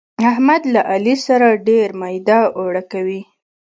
احمد له علي سره ډېر ميده اوړه کوي.